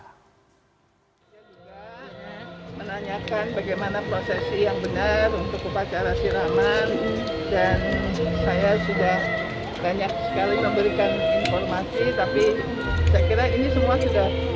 saya juga menanyakan bagaimana prosesi yang benar untuk pupacara siraman